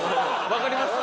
わかります